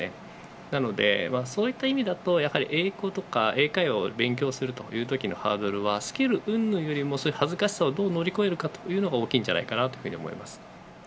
なので、そういった意味だと英語とか英会話を勉強するハードルはスキルうんぬんよりも恥ずかしさをどう乗り越えるかというのが大きいかなと思います。